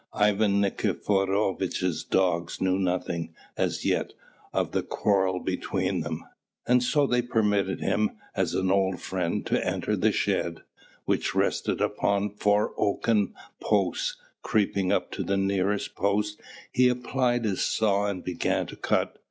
Ivan Nikiforovitch's dogs knew nothing, as yet, of the quarrel between them; and so they permitted him, as an old friend, to enter the shed, which rested upon four oaken posts. Creeping up to the nearest post he applied his saw and began to cut.